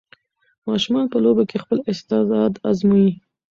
ماشومان په لوبو کې خپل استعداد ازمويي.